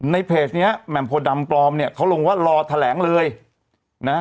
ในเพจเนี้ยแหม่มโพดำปลอมเนี่ยเขาลงว่ารอแถลงเลยนะฮะ